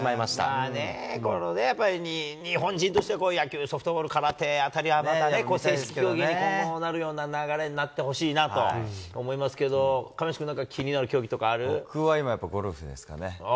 まあね、このやっぱり、日本人としては野球・ソフトボール、空手あたりはね、正式競技に今後、流れになってほしいなと思いますけど、亀梨君、僕は今、やっぱりゴルフですかね。